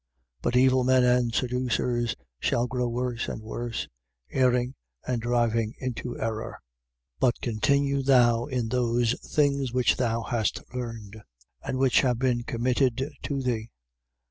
3:13. But evil men and seducers shall grow worse and worse: erring, and driving into error, 3:14. But continue thou in those things which thou hast learned and which have been committed to thee.